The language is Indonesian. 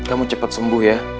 kamu cepat sembuh ya